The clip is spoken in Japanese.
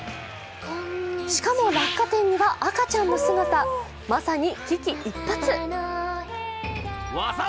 しかも落下点には赤ちゃんの姿、まさに危機一髪。